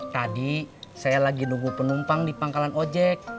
tadi saya lagi nunggu penumpang di pangkalan ojek